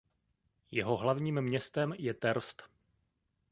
Jeho hlavním městem je Terst.